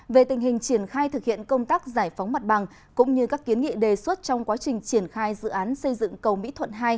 về tình hình triển khai thực hiện công tác giải phóng mặt bằng cũng như các kiến nghị đề xuất trong quá trình triển khai dự án xây dựng cầu mỹ thuận hai